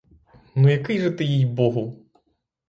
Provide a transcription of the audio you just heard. Ну, який же ти, їй-богу!